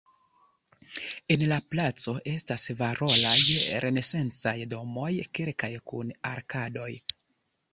En la placo estas valoraj renesancaj domoj, kelkaj kun arkadoj.